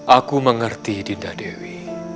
aku mengerti dinda dewi